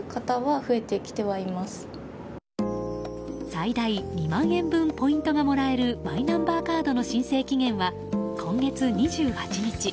最大２万円分ポイントがもらえるマイナンバーカードの申請期限は今月２８日。